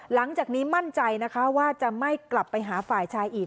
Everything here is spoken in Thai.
หลังจากนี้มั่นใจนะคะว่าจะไม่กลับไปหาฝ่ายชายอีก